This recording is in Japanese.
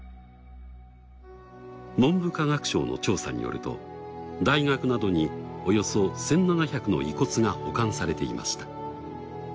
文部科学省の調査によると大学などにおよそ１，７００の遺骨が保管されていました。